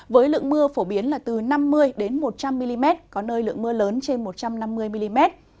với lượng mưa phổ biến là từ năm mươi một trăm linh mm có nơi lượng mưa lớn trên một trăm năm mươi mm